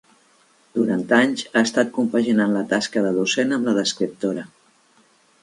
Durant anys ha estat compaginant la tasca de docent amb la d'escriptora.